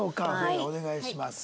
ではお願いします。